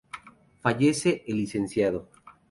Fallece el Lic.